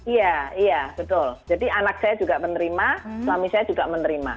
iya iya betul jadi anak saya juga menerima suami saya juga menerima